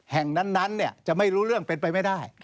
แห่งนั้นจะไม่รู้เรื่องเป็นไปไม่ได้